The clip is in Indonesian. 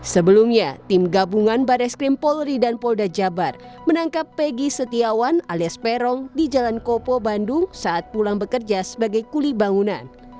sebelumnya tim gabungan bareskrim polri dan polda jabar menangkap pegi setiawan alias peron di jalan kopo bandung saat pulang bekerja sebagai kuli bangunan